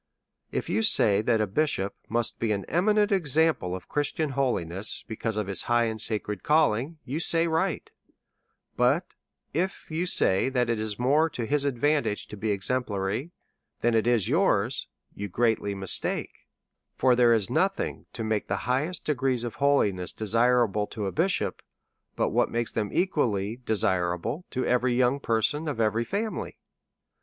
If you say that a bisliop must be an eminent example of Christian holiness, because of his high and sacred calling, you say right ; but if you say that it is more to his advantage to be exemplary than it is yours, you greatly mistake ; for there is nothing to make the highest degrees of holiness desirable to a bishop, but what makes them equally desirable to every young person of every family.